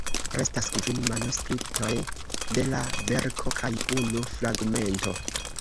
Restas kvin manuskriptoj de la verko, kaj unu fragmento.